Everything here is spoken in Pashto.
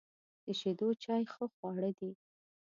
د شیدو چای ښه خواړه دي.